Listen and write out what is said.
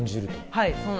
はい。